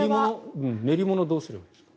練り物どうすればいいですか？